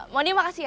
mohon diima kasih ya